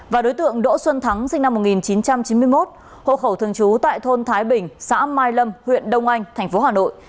và đối tượng đỗ xuân thắng sinh năm một nghìn chín trăm chín mươi một hộ khẩu thường trú tại thôn thái bình xã mai lâm huyện đông anh tp hà nội